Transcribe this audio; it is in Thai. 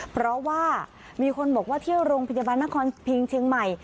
เพราะว่ามีคนบอกว่า